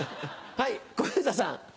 はい小遊三さん。